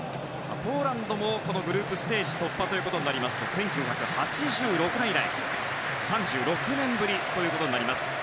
ポーランドもグループステージ突破となりますと１９８６年以来３６年ぶりということになります。